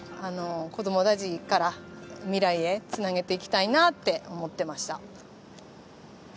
子どもたちから未来へつなげていきたいなって思ってました。